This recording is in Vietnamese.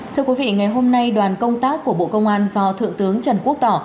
thưa quý vị ngày hôm nay đoàn công tác của bộ công an do thượng tướng trần quốc tỏ